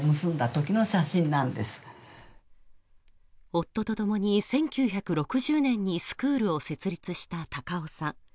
夫とともに１９６０年にスクールを設立した高尾さん。